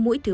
mũi thứ ba